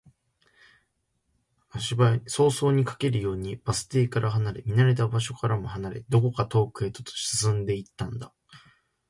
足早に、駆けるようにバス停から離れ、見慣れた場所からも離れ、どこか遠くへと進んでいったんだ